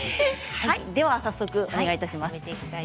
では早速お願いします。